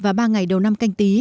và ba ngày đầu năm canh tí